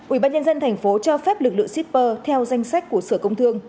ủy ban nhân dân tp hcm cho phép lực lượng shipper theo danh sách của sở công thương